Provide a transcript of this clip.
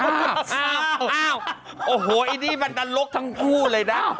อ้าวโอ้โหไอ้นี่มันดันรกทั้งคู่เลยนะ